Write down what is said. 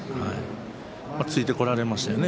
突いてこられましたよね